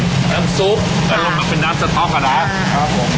น้ำซุปเอาลงมาเป็นน้ำสะท้อมกะดาว